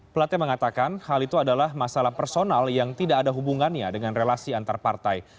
plate mengatakan hal itu adalah masalah personal yang tidak ada hubungannya dengan relasi antar partai